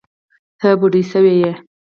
ته بوډه شوې